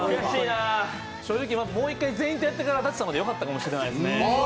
正直、もう一回全員とやってから舘様でよかったかもしれない。